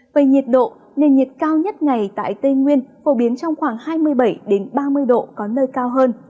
về nhiệt độ nền nhiệt cao nhất ngày tại tây nguyên phổ biến trong khoảng hai mươi bảy ba mươi độ có nơi cao hơn